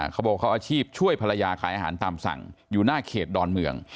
เขาบอกเขาอาชีพช่วยภรรยาขายอาหารตามสั่งอยู่หน้าเขตดอนเมือง